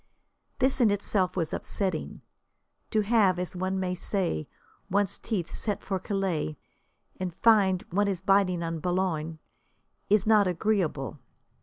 This in itself was upsetting. To have, as one may say, one's teeth set for Calais, and find one is biting on Boulogne, is not agreeable.